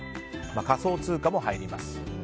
仮想通貨も入ります。